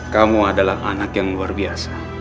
kamu adalah anak yang luar biasa